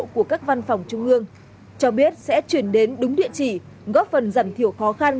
của các văn phòng trung ương cho biết sẽ chuyển đến đúng địa chỉ góp phần giảm thiểu khó khăn